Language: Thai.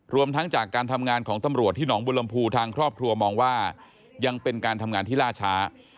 รวมทั้งจากการทำงานของตำรวจที่หนองบุรมภูทางครอบครัวมองว่ายังเป็นการทำงานที่ล่าช้า